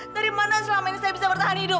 dari mana selama ini saya bisa bertahan hidup